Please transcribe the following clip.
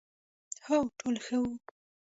هو، ټول ښه وو،